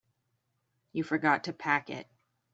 You forgot to pack it.